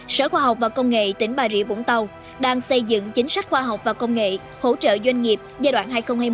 sở khoa học và công nghệ tỉnh bà rịa vũng tàu đang xây dựng chính sách khoa học và công nghệ hỗ trợ doanh nghiệp giai đoạn hai nghìn hai mươi một hai nghìn hai mươi năm